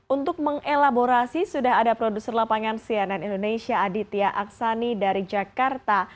untuk mengelaborasi sudah ada produser lapangan cnn indonesia aditya aksani dari jakarta